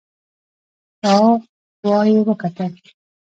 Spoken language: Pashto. شاو خوا يې وکتل.